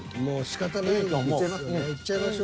もうしかたないと思う。